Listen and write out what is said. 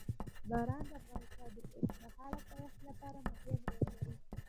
باران د افغانستان د اوږدمهاله پایښت لپاره مهم رول لري.